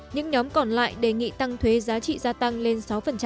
những nhóm còn lại đề nghị tăng thuế giá trị gia tăng lên sáu